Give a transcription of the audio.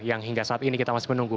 yang hingga saat ini kita masih menunggu